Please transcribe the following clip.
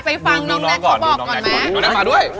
ไปฟังน้องแนะเขาบอกก่อนแมช